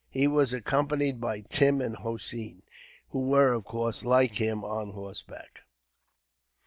He was accompanied by Tim and Hossein, who were of course, like him, on horseback.